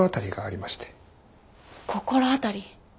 心当たり？